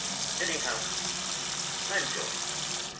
Anyhow, I'm going.